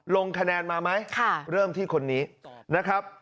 ลงคะแนนมาไหมเริ่มที่คนนี้นะครับ